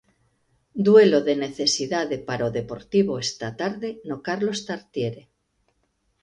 Duelo de necesidade para o Deportivo esta tarde no Carlos Tartiere.